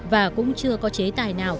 và cũng chưa có chế tài nào